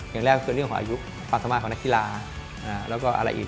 อย่างแรกก็คือเรื่องของอายุความสามารถของนักกีฬาแล้วก็อะไรอีก